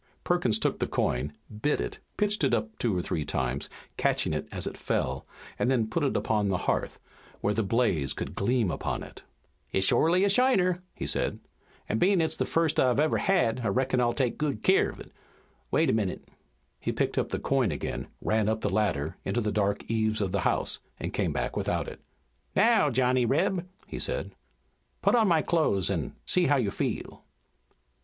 Perkins took the coin, bit it, pitched it up two or three times, catching it as it fell, and then put it upon the hearth, where the blaze could gleam upon it. "It's shorely a shiner," he said, "an' bein' that it's the first I've ever had, I reckon I'll take good care of it. Wait a minute." He picked up the coin again, ran up the ladder into the dark eaves of the house, and came back without it. "Now, Johnny Reb," he said, "put on my clothes and see how you feel."